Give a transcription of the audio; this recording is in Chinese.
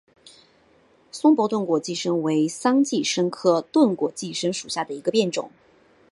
松柏钝果寄生为桑寄生科钝果寄生属下的一个变种。